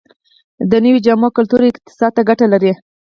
د نویو جامو کلتور اقتصاد ته ګټه لري؟